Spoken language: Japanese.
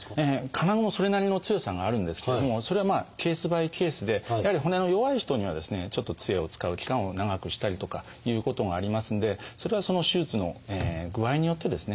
金具もそれなりの強さがあるんですけどもそれはケースバイケースでやはり骨の弱い人にはですねちょっとつえを使う期間を長くしたりとかいうことがありますんでそれはその手術の具合によってですね